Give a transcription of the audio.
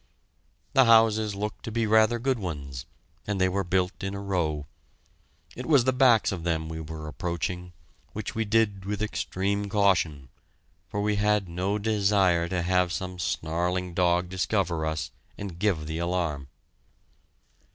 The houses looked to be rather good ones, and they were built in a row. It was the backs of them we were approaching, which we did with extreme caution, for we had no desire to have some snarling dog discover us and give the alarm.